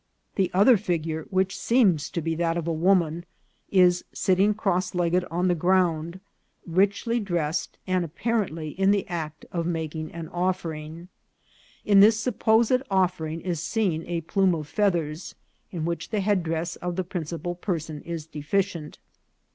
The other figure, which seems that of a woman, is sitting cross legged on the ground, richly dressed, and apparently in the act of making an offering. In this supposed offering is seen a plume of feathers, in which the headdress of the principal person is deficient.